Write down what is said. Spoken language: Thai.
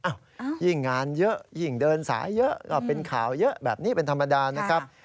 ยิ่งงานเยอะยิ่งเดินสายเยอะก็เป็นข่าวเยอะแบบนี้เป็นธรรมดานะครับ